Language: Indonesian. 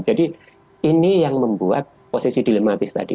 jadi ini yang membuat posisi dilematis tadi